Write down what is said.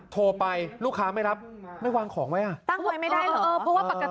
โทรไปลูกค้าไม่รับไม่วางของไว้ตั้งไว้ไม่ได้เหรอ